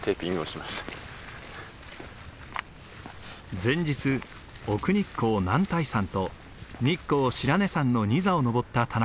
前日奥日光男体山と日光白根山の２座を登った田中。